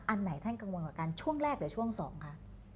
อันไหนท่านกังวลกว่ากันช่วงแรกหรือช่วง๒คะ